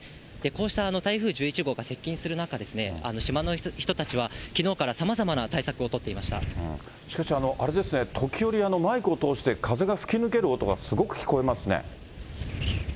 こうした台風１１号が接近する中、島の人たちは、きのうからさまざしかし、あれですね、時折、マイクを通して、風が吹き抜ける音がすごく聞こえますね。